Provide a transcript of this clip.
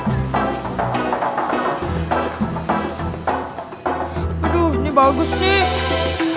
aduh ini bagus nih